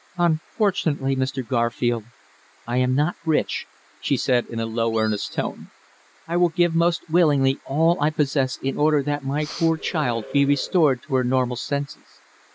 "Unfortunately, Mr. Garfield, I am not rich," she said in a low earnest tone. "I will give most willingly all I possess in order that my poor child be restored to her normal senses.